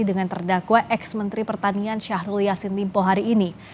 dengan terdakwa ex menteri pertanian syahrul yassin limpo hari ini